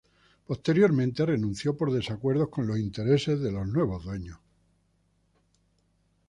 Posteriormente renunció por desacuerdos con los intereses de los nuevos dueños.